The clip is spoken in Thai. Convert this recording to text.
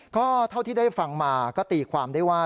ก็เท่าที่ได้ฟังมาก็ตีความได้ว่า